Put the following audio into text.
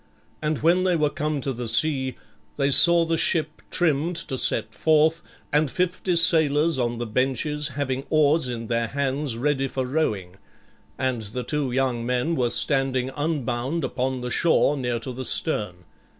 And when they were come to the sea, they saw the ship trimmed to set forth, and fifty sailors on the benches having oars in their hands ready for rowing; and the two young men were standing unbound upon the shore near to the stern.